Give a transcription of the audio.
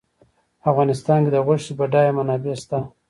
په افغانستان کې د غوښې بډایه منابع شته.